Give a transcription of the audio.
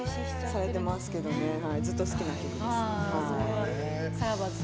されてますけどずっと好きな曲です。